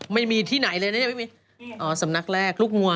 ไม่มีที่ไหนเลยนะยังไม่มีสำนักแรกลูกงัว